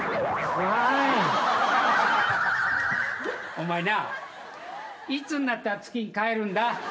お前ないつになったら月に帰るんだ？